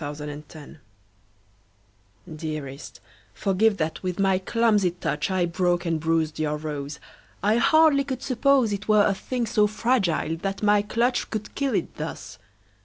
Stupidity Dearest, forgive that with my clumsy touch I broke and bruised your rose. I hardly could suppose It were a thing so fragile that my clutch Could kill it, thus.